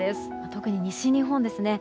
特に西日本ですね。